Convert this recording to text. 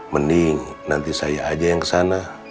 mending nanti saya aja yang ke sana